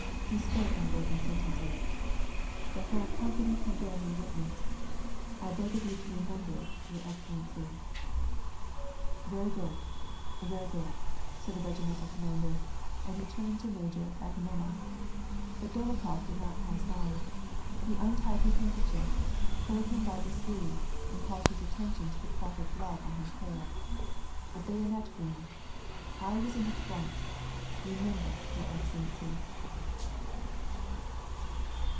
Hh Kj>r,ke in broken sentences. "The whole company can l>ear me wit ness—I beg of you to remember it, your excellency !" "Very good, very good," said the regimental commander, and 228 WAR AND PEACE, he turned to Major Ekonoraof. But Dolokhof did not pass on. He untied his handkerchief, pulled him by the sleeve, and called his attention to the clotted blood on his hair, —" A bayonet wound ; I was in the front. Remember, your excellency